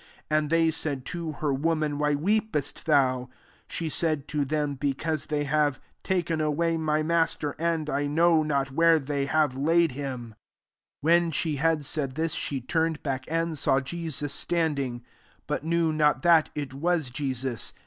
13 And they said to her, " Woman, why weepest thou ?" She said to them, «« Be cause they have taken away my Master, and I know not where they have laid him.'' JOHN XXL 197 14 When she had said this, she turned back, and saw Jesus standing; but knew not that it was Jesus.